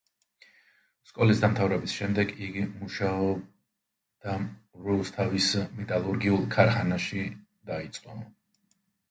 სკოლის დამთავრების შემდეგ, იგი მუშაობა რუსთავის მეტალურგიულ ქარხანაში დაიწყო.